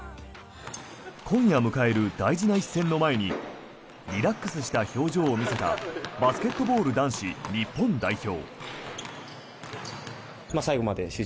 今夜迎える大事な一戦を前にリラックスした表情を見せたバスケットボール男子日本代表。